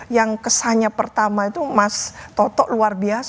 yang kesannya pertama itu mas toto luar biasa